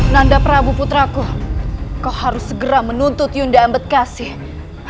karena aku tak hanya menjaga diriku saja